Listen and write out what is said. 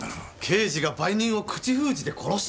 刑事が売人を口封じで殺したなんて。